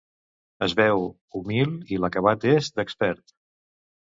Es veu humil i l'acabat és d'expert!